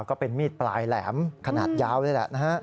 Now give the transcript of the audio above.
ก็เป็นมีดปลายแหลมขนาดยาวเลยแหละนะฮะ